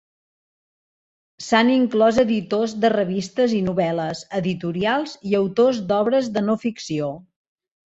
S'han inclòs editors de revistes i novel·les, editorials i autors d'obres de no ficció.